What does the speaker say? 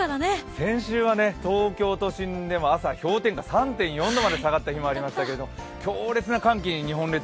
先週は東京都心でも朝氷点下３．４度まで下がった日もありましたけど強烈な寒気に日本列島